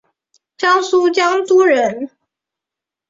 江苏江都人。